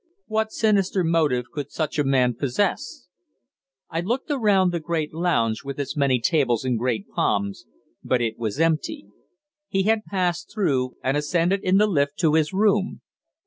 What sinister motive could such a man possess? I looked around the great lounge, with its many tables and great palms, but it was empty. He had passed through and ascended in the lift to his room.